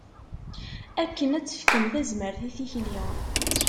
Akken ad tefkem tazmert i tikli.